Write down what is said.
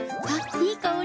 いい香り。